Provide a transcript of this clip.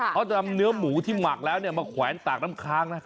เขาจะนำเนื้อหมูที่หมักแล้วมาแขวนตากน้ำค้างนะ